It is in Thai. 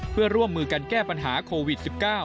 เพื่อร่วมมือกันแก้ปัญหาโควิด๑๙